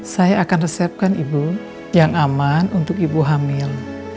saya akan resepkan ibu yang aman untuk ibu hamil